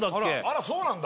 あらそうなんだ